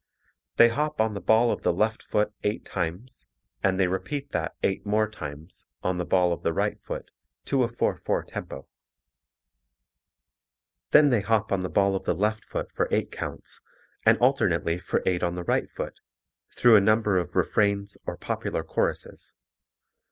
They hop on the ball of the left foot eight times and they repeat that eight more times, on the ball of the right foot to a 4/4 tempo. Then they hop on the ball of the left foot for eight counts, and alternately for eight on the right foot, through a number of refrains or popular choruses.